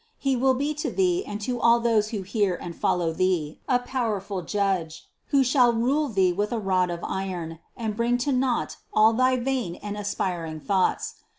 He will be to thee and to all those who hear and follow thee, a powerful Judge, who shall rule thee with a rod of iron and bring to naught all thy vain and aspiring thoughts.